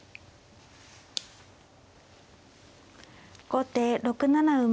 後手６七馬。